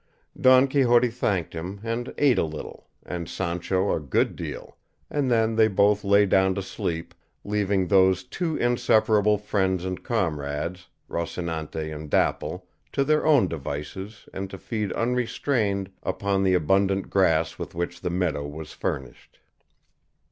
Don Quixote thanked him, and ate a little, and Sancho a good deal, and then they both lay down to sleep, leaving those two inseparable friends and comrades, Rocinante and Dapple, to their own devices and to feed unrestrained upon the abundant grass with which the meadow was furnished.